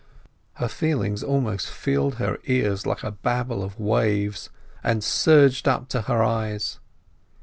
Her feelings almost filled her ears like a babble of waves, and surged up to her eyes.